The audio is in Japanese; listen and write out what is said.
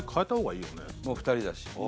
もう２人だし